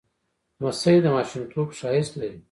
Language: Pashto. لمسی د ماشومتوب ښایست لري.